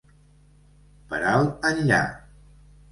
Per alt enllà.